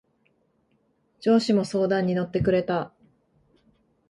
上司も相談に乗ってくれた。